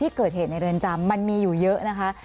เกิดเหตุในเรือนจำมันมีอยู่เยอะนะคะ